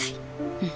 うん。